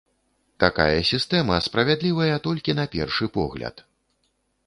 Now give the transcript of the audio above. Такая сістэма справядлівая толькі на першы погляд.